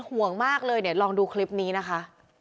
ห่วงมากเลยเดี๋ยวลองดูคลิปนี้นะคะ